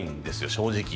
正直。